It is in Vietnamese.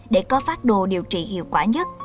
để có phát đồ điều trị hiệu quả